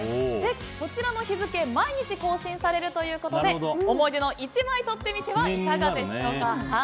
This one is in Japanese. こちらの日付、毎日更新されるので思い出の１枚撮ってみてはいかがですか？